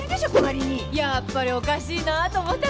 やっぱりおかしいなぁと思ったのよね。